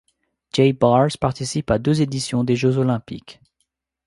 Jay Barrs participe à deux éditions des Jeux olympiques.